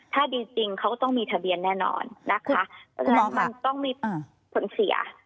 ถ้าดีจริงเขาต้องมีทะเบียนแน่นอนมันต้องมีผลเสีย